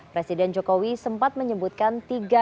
presiden jokowi sempat menyebutkan